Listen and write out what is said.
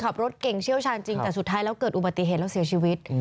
ขับรถเก่งเชี่ยวชาญจริงแต่สุดท้ายแล้วเกิดอุบัติเหตุแล้วเสียชีวิต